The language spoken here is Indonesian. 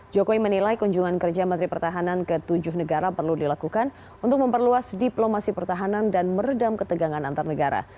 jokowi menilai kunjungan kerja menteri pertahanan ke tujuh negara perlu dilakukan untuk memperluas diplomasi pertahanan dan meredam ketegangan antar negara